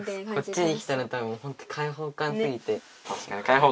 こっちに来たら多分ほんと開放感すぎて。